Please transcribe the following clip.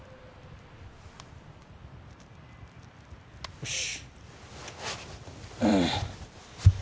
よし。